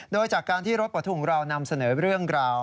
โดยจากการที่รถปลดทุกข์ของเรานำเสนอเรื่องราว